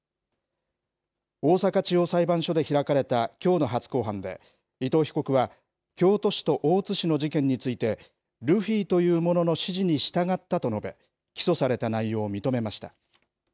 大阪地方裁判所で開かれたきょうの初公判で、伊藤被告は、京都市と大津市の事件について、ルフィという者の指示に従ったと述べ、起訴された内容を認めました。